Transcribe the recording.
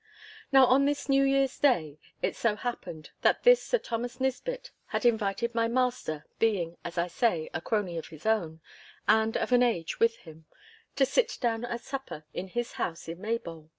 Now, on this New Year's Day, it so happened that this Sir Thomas Nisbett had invited my master, being, as I say, a crony of his own, and of an age with him, to sit down at supper in his house in Maybole.